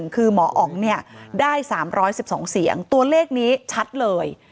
คือหมออ๋องได้๓๑๒เสียงตัวเลขนี้ชัดเลย